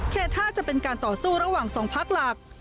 ท่าจะเป็นการต่อสู้ระหว่าง๒พักหลัก